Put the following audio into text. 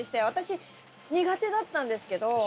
私苦手だったんですけど。